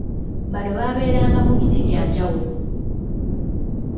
Bano baabeeranga mu biti byanjawulo.